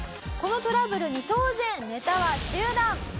このトラブルに当然ネタは中断。